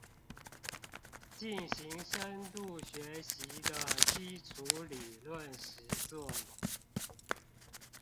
進行深度學習的基礎理論實作